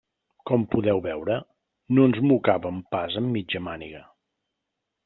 Com podeu veure, no ens mocàvem pas amb mitja màniga.